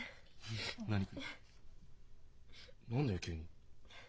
何だよ急に？